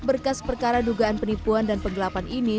berkas perkara dugaan penipuan dan penggelapan ini